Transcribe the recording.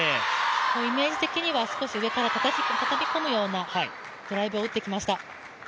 イメージ的には少し上からたたき込むようなドライブを打ってきました。